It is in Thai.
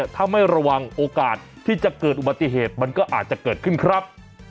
ถ้าไม่ระวังโอกาสที่จะเกิดอุบัติเหตุมันก็อาจจะเกิดขึ้นครับ